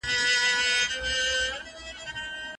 آیا د اوښ غاړه د آس تر غاړي اوږده ده؟